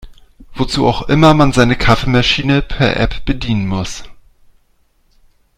Wozu auch immer man seine Kaffeemaschine per App bedienen muss.